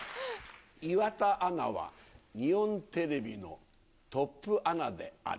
岩田アナは日本テレビのトップアナである。